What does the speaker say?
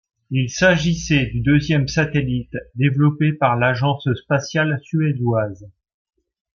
Il s'agissait du deuxième satellite développé par l'Agence spatiale suédoise.